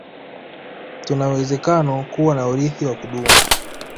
tunawezekano kuwa na urithi wa kudumu